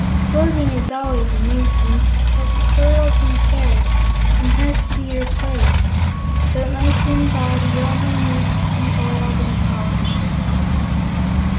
Clothing is always a nuisance, because it soils and tears and has to be replaced; but my tin body only needs to be oiled and polished.